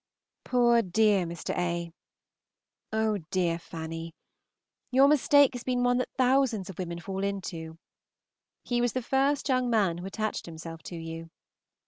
Poor dear Mr. A.! Oh, dear Fanny! your mistake has been one that thousands of women fall into. He was the first young man who attached himself to you.